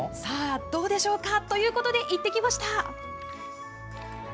どうでしょうか？ということで行ってきました！